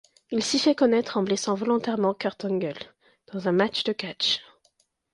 Il s'y fait connaitre en blessant volontairement Kurt Angle dans un match de catch.